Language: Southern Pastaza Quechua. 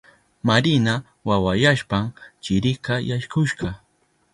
Marina wawayashpan chirika yaykushka.